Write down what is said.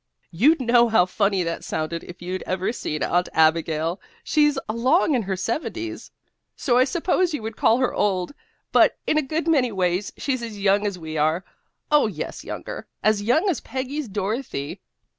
"You'd know how funny that sounded if you'd ever seen Aunt Abigail. She's along in her seventies, so I suppose you would call her old, but in a good many ways she's as young as we are Oh, yes, younger, as young as Peggy's Dorothy."